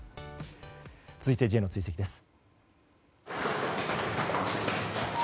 続いてＪの追跡です。